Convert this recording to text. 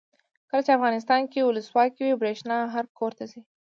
کله چې افغانستان کې ولسواکي وي برښنا هر کور ته ځي.